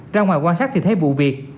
ra ngoài quan sát thì thấy vụ việc